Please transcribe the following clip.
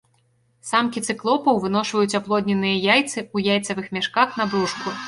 Самкі цыклопаў выношваюць аплодненыя яйцы ў яйцавых мяшках на брушку.